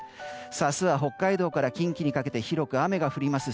明日は北海道から近畿にかけて広く雨が降ります